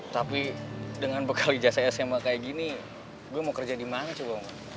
tapi dengan bekal ijazah sma kayak gini gue mau kerja di mana coba